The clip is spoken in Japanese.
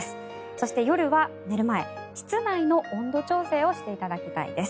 そして夜は寝る前室内の温度調整をしていただきたいです。